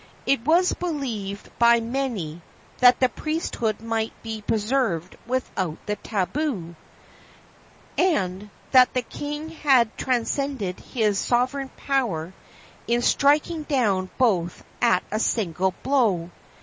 It was believed by many that the priesthood might be preserved without the tabu, and that the king had transcended his sovereign power in striking down both at a single blow.